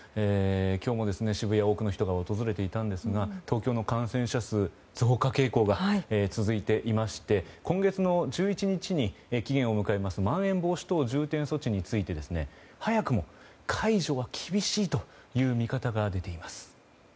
今日も渋谷多くの人が訪れていたんですが東京の感染者数は増加傾向が続いていまして今月の１１日に期限を迎えるまん延防止等重点措置について早くも解除は厳しいという見方が出ています。